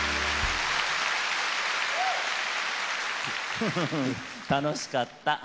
フフフ楽しかった！